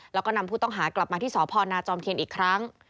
แล้วก็นำผู้ต้องหากลับมาที่สพนาจอมเทียนอีกครั้ง